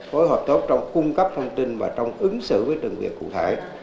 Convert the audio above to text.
phối hợp tốt trong cung cấp thông tin và trong ứng xử với từng việc cụ thể